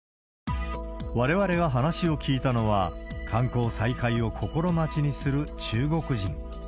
われわれが話を聞いたのは、観光再開を心待ちにする中国人。